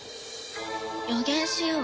予言しよう。